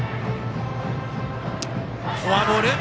フォアボール！